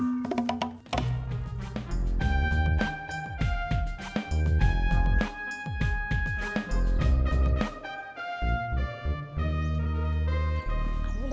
tidak ada pesanan kue bolu gi sepuluh